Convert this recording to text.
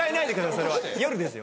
それは夜ですよ。